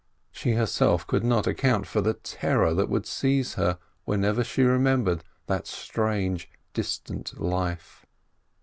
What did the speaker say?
She herself could not account for the terror that would seize her whenever she remem bered that strange, distant life.